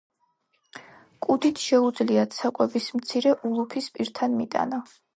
კუდით შეუძლიათ საკვების მცირე ულუფის პირთან მიტანა.